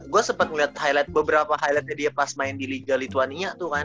gue sempet liat beberapa highlight nya dia pas main di liga lituania tuh kan